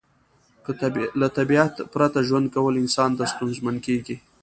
له طبیعت پرته ژوند کول انسان ته ستونزمن کیږي